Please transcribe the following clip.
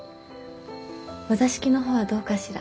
お座敷の方はどうかしら？